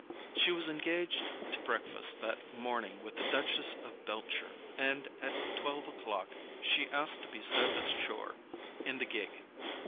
She was engaged to breakfast that morning with the Duchess of Beltshire, and at twelve o'clock she asked to be set ashore in the gig.